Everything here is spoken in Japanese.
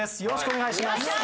よろしくお願いします。